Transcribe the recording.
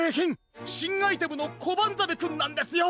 しんアイテムのコバンザメくんなんですよ！